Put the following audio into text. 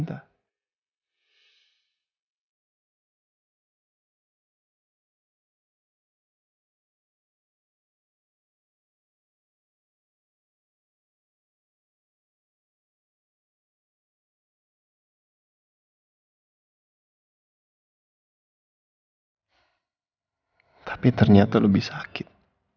tapi ternyata lebih sakit